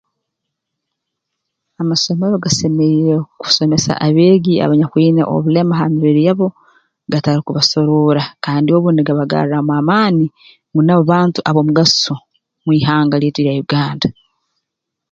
Amasomero gasemeriire kusomesa abeegi abanyakwine obulema ha mibiri yabo batarukubasoroora kandi obu nigabagarraamu amaani ngu nabo bantu ab'omugaso mu ihanga lyaitu erya Uganda